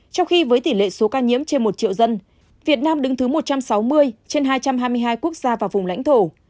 trong khi với tỷ lệ số ca nhiễm trên một triệu dân việt nam đứng thứ một trăm sáu mươi trên hai trăm hai mươi hai quốc gia và vùng lãnh thổ